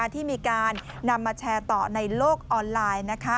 ที่มีการนำมาแชร์ต่อในโลกออนไลน์